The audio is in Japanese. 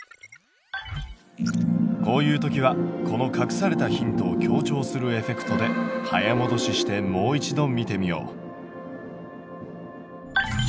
こういう時はこの隠されたヒントを強調するエフェクトで早もどししてもう一度見てみよう。